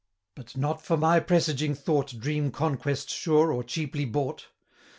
But not for my presaging thought, Dream conquest sure, or cheaply bought!